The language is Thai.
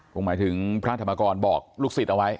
หมายถึงพระธรรมกรบอกลูกศิษย์เอาไว้